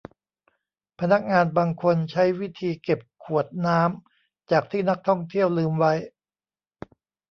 พนักงานบางคนใช้วิธีเก็บขวดน้ำจากที่นักท่องเที่ยวลืมไว้